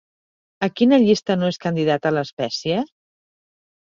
A quina llista no és candidata l'espècie?